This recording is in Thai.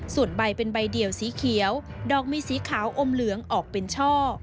ส่วนใบเป็นใบเดี่ยวสีเขียวดอกมีสีขาวอมเหลืองออกเป็นช่อ